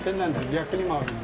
逆に回るの。